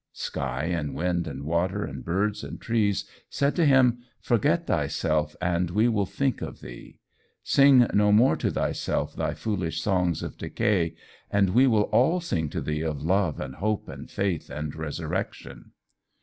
Sky and wind and water and birds and trees said to him, "Forget thyself and we will think of thee. Sing no more to thyself thy foolish songs of decay, and we will all sing to thee of love and hope and faith and resurrection."